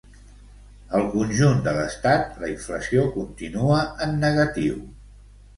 Al conjunt de l'Estat, la inflació continua en negatiu.